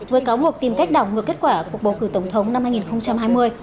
với cáo buộc tìm cách đảo ngược kết quả cuộc bầu cử tổng thống năm hai nghìn hai mươi